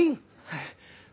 はい。